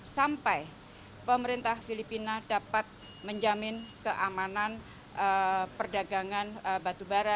sampai pemerintah filipina dapat menjamin keamanan perdagangan batu bara